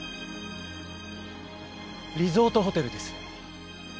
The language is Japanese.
リゾートホテルです。